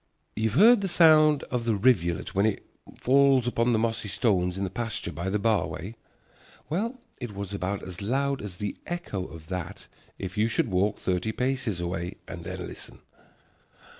You have heard the sound of the rivulet when it falls upon the mossy stones in the pasture by the bar way? Well, it was about as loud as the echo of that if you should walk thirty paces away and then listen.